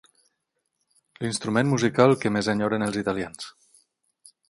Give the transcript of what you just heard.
L'instrument musical que més enyoren els italians.